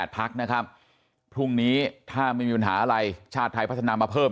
พักนะครับพรุ่งนี้ถ้าไม่มีปัญหาอะไรชาติไทยพัฒนามาเพิ่ม